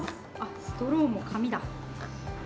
ストローも紙だ。